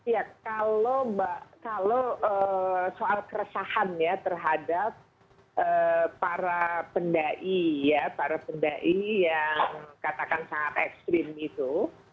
ya kalau mbak kalau soal keresahan ya terhadap para pendai ya para pendai yang katakan sangat ekstrim itu